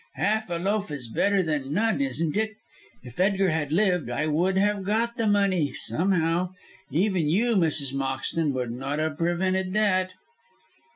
Half a loaf is better than none, isn't it? If Edgar had lived I would have got the money somehow. Even you, Mrs. Moxton, would not have prevented that."